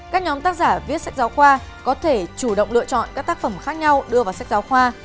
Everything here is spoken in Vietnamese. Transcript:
các nhóm tác giả viết sách giáo khoa có thể chủ động lựa chọn các tác phẩm khác nhau đưa vào sách giáo khoa